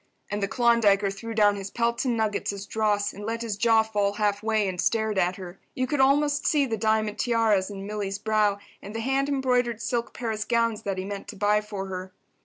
And the Klondiker threw down his pelts and nuggets as dross, and let his jaw fall half way, and stared at her. You could almost see the diamond tiaras on Milly's brow and the hand embroidered silk Paris gowns that he meant to buy for her.